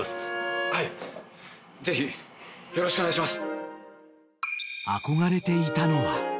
はいぜひよろしくお願いします。